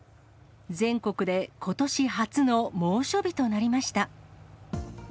全国でことし初の猛暑日となりました。